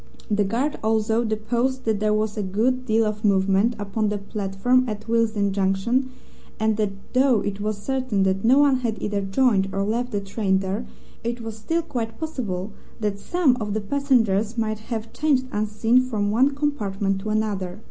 The guard also deposed that there was a good deal of movement upon the platform at Willesden Junction, and that though it was certain that no one had either joined or left the train there, it was still quite possible that some of the passengers might have changed unseen from one compartment to another.